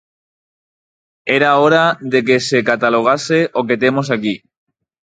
¡Era hora de que se catalogase o que temos aquí!